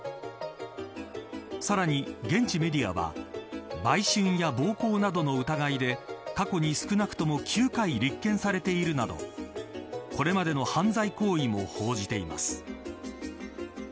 さらに、現地メディアは売春や暴行などの疑いで過去に少なくとも９回立件されているなどこれまでの犯罪行為も報じています。